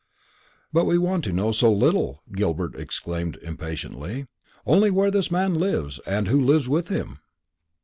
"But we want to know so little," Gilbert exclaimed impatiently; "only where this man lives, and who lives with him."